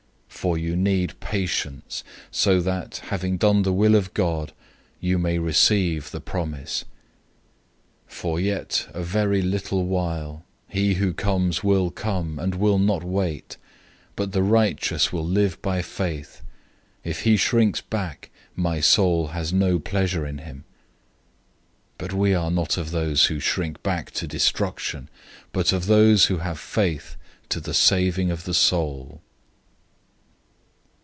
010:036 For you need endurance so that, having done the will of God, you may receive the promise. 010:037 "In a very little while, he who comes will come, and will not wait. 010:038 But the righteous will live by faith. If he shrinks back, my soul has no pleasure in him."{Habakkuk 2:3 4} 010:039 But we are not of those who shrink back to destruction, but of those who have faith to the saving of the soul.